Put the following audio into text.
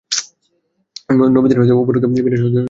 নবীদের উপরোক্ত বিন্যাস সন্দেহমুক্ত নয়।